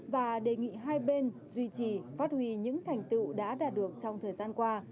và đề nghị hai bên duy trì phát huy những thành tựu đã đạt được trong thời gian qua